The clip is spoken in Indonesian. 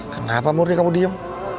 kenapa murni kamu diem